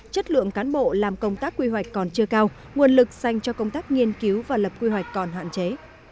chất lượng cán bộ làm công tác quy hoạch còn chưa cao nguồn lực dành cho công tác nghiên cứu và lập quy hoạch còn hạn chế